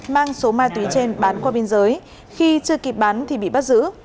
mang số ma túy trên bán qua biên giới khi chưa kịp bán thì bị bắt giữ